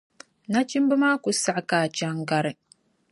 Nachimba maa ku saɣi ka a chaŋ gari.